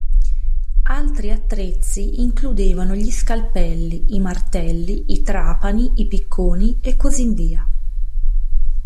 Altri attrezzi includevano gli scalpelli, i martelli, i trapani, i picconi e così via.